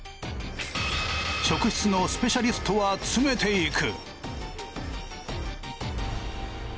職質のスペシャリストは詰めていく。